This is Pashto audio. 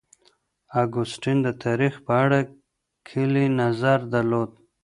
اګوستين د تاريخ په اړه کلي نظر درلود.